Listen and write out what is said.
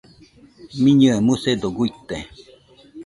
Miñɨe musedo guite